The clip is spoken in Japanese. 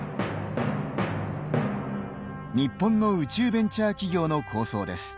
日本の宇宙ベンチャー企業の構想です。